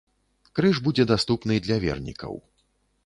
Крыж будзе даступны для вернікаў.